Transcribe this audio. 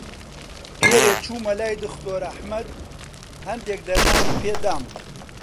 پێرێ چوومە لای دختۆر ئەحمەد، هەندێک دەرمانی پێ دام.